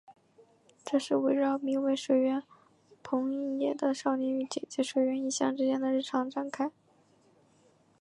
这是围绕名为水原朋也的少年与姐姐水原一香之间的日常展开。